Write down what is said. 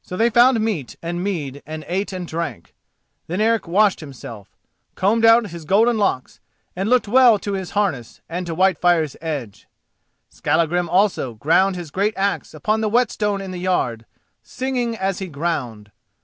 So they found meat and mead and ate and drank. Then Eric washed himself, combed out his golden locks, and looked well to his harness and to Whitefire's edge. Skallagrim also ground his great axe upon the whetstone in the yard, singing as he ground.